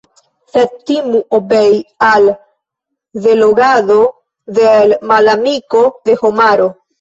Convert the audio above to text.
Sed timu obei al delogado de l' malamiko de homaro.